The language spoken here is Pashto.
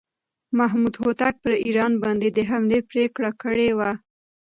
محمود هوتک پر ایران باندې د حملې پرېکړه کړې وه.